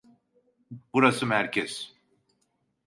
Burası merkez.